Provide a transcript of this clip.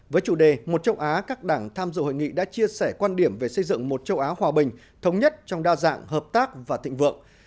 với chủ đề một châu á các đảng tham dự hội nghị đã chia sẻ quan điểm về xây dựng một châu á hòa bình thống nhất trong đa dạng hợp tác và thịnh vượng